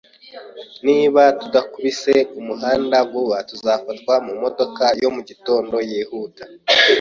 Niba tudakubise umuhanda vuba, tuzafatwa mumodoka yo mu gitondo yihuta